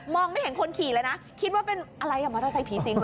ไม่เห็นคนขี่เลยนะคิดว่าเป็นอะไรอ่ะมอเตอร์ไซค์ผีสิงค